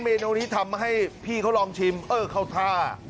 เมนูนี้ทำให้พี่เขาลองชิมเออเข้าท่า